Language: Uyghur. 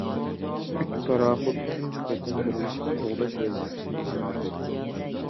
ئۈچ پاراخوت تۇنجى قېتىم بىرلىشىپ قوغداش ۋەزىپىسىنى ئىجرا قىلدى.